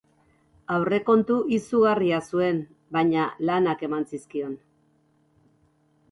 Aurrekontu izugarria zuen, baina lanak eman zizkion.